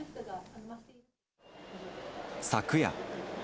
昨夜。